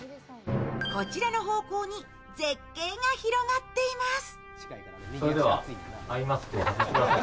こちらの方向に絶景が広がっています。